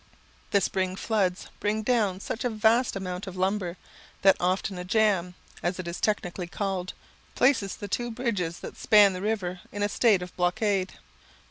The spring floods bring down such a vast amount of lumber, that often a jam, as it is technically called, places the two bridges that span the river in a state of blockade.